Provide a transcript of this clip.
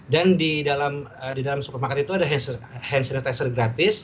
dan di dalam supermarket itu ada hand sanitizer gratis